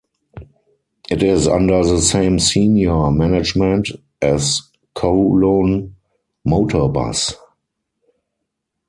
It is under the same senior management as Kowloon Motor Bus.